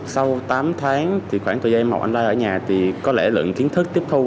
sau tám tháng thì khoảng thời gian em học online ở nhà thì có lẽ lượng kiến thức tiếp thu